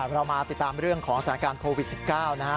เรามาติดตามเรื่องของสถานการณ์โควิด๑๙นะฮะ